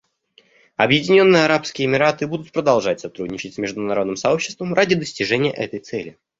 Объединенные Арабские Эмираты будут продолжать сотрудничать с международным сообществом ради достижения этой цели.